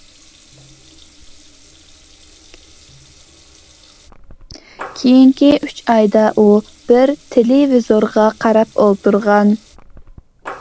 كېيىنكى ئۈچ ئايدا ئۇ بىر تېلېۋىزورغا قاراپ ئولتۇرغان.